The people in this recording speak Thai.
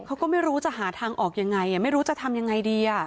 เขาก็ไม่รู้จะหาทางออกยังไงไม่รู้จะทำยังไงดี